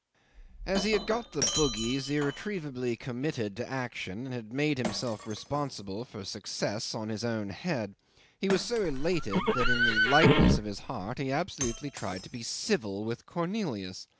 'As he had got the Bugis irretrievably committed to action and had made himself responsible for success on his own head, he was so elated that in the lightness of his heart he absolutely tried to be civil with Cornelius.